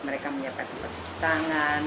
mereka menyiapkan tempat cuci tangan